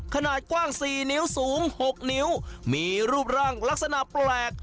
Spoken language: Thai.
ขนาดกว้าง๔นิ้วสูง๖นิ้วมีรูปร่างลักษณะแปลก